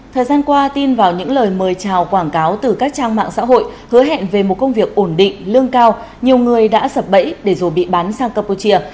thời gian qua tin vào những lời mời chào quảng cáo từ các trang mạng xã hội hứa hẹn về một công việc ổn định lương cao nhiều người đã sập bẫy để rồi bị bán sang campuchia